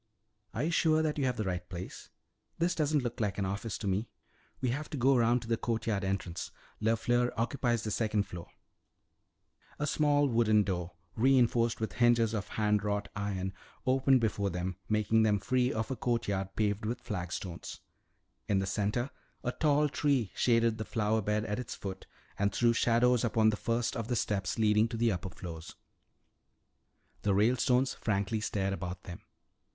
"Are you sure that you have the right place? This doesn't look like an office to me." "We have to go around to the courtyard entrance. LeFleur occupies the second floor." A small wooden door, reinforced with hinges of hand wrought iron, opened before them, making them free of a courtyard paved with flagstones. In the center a tall tree shaded the flower bed at its foot and threw shadows upon the first of the steps leading to the upper floors. The Ralestones frankly stared about them.